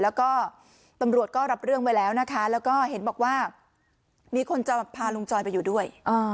แล้วก็ตำรวจก็รับเรื่องไว้แล้วนะคะแล้วก็เห็นบอกว่ามีคนจะพาลุงจอยไปอยู่ด้วย